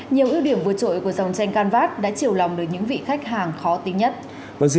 nhiều ưu điểm vượt trội của dòng tranh can vát đã chịu lòng được những vị khách hàng khó tính nhất